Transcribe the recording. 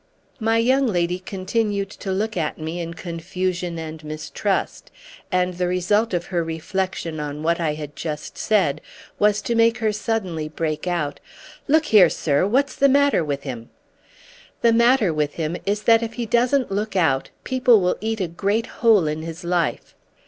My young lady continued to look at me in confusion and mistrust, and the result of her reflexion on what I had just said was to make her suddenly break out: "Look here, sir—what's the matter with him?" "The matter with him is that if he doesn't look out people will eat a great hole in his life."